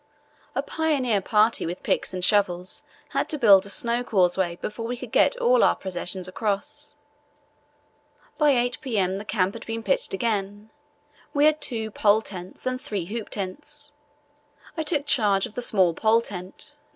A pioneer party with picks and shovels had to build a snow causeway before we could get all our possessions across. By 8 p.m. the camp had been pitched again. We had two pole tents and three hoop tents. I took charge of the small pole tent, No.